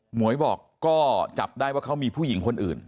หวยบอกก็จับได้ว่าเขามีผู้หญิงคนอื่น